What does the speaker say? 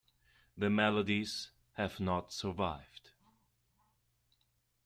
The melodies have not survived.